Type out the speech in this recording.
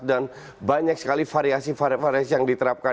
dan banyak sekali variasi variasi yang diterapkan